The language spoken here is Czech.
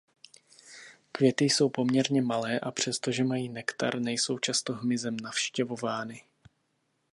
Květy jsou poměrně malé a přestože mají nektar nejsou často hmyzem navštěvovány.